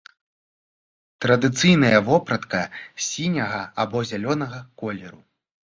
Традыцыйная вопратка сіняга або зялёнага колеру.